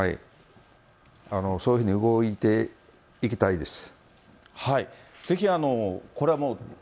そういうふうに動いていきたいです。